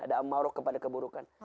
ada amarah kepada keburukan